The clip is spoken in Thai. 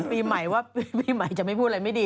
ปีใหม่ว่าปีใหม่จะไม่พูดอะไรไม่ดี